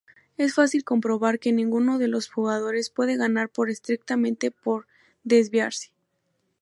Es fácil comprobar que ninguno de los jugadores puede ganar por estrictamente por desviarse.